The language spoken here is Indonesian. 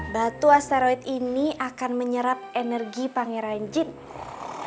batu asteroid ini akan menyerap energi pangeran jeep